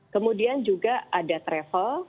kemudian juga ada travel